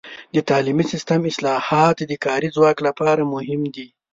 د تعلیمي سیستم اصلاحات د کاري ځواک لپاره مهم دي.